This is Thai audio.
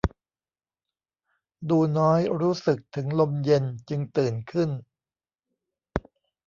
ดูน้อยรู้สึกถึงลมเย็นจึงตื่นขึ้น